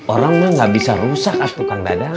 orang mah gak bisa rusak atu kang dadang